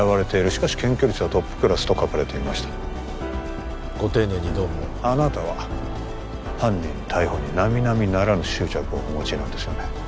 しかし検挙率はトップクラスと書かれていましたご丁寧にどうもあなたは犯人逮捕になみなみならぬ執着をお持ちなんですよね？